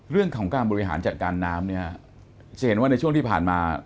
เรื่องของการบริหารจัดการน้ำเนี่ยจะเห็นว่าในช่วงที่ผ่านมา